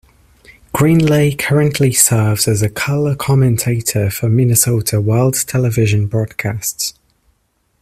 Greenlay currently serves as a color commentator for Minnesota Wild television broadcasts.